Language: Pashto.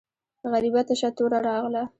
غریبه تشه توره راغله.